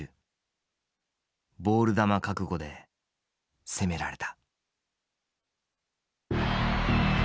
ボール球覚悟で攻められた。